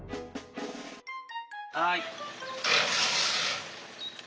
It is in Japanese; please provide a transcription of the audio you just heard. はい。